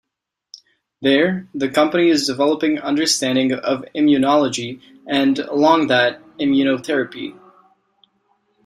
There, the company is developing understanding of immunology and along that, immunotherapy.